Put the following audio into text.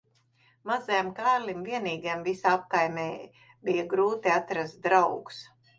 Mazajam Kārlim vienīgajam visā apkaimē bija grūti atrast draugus.